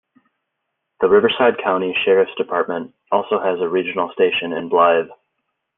The Riverside County Sheriff's Department also has a regional station in Blythe.